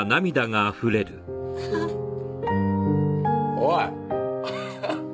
おい。